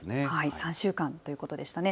３週間ということでしたね。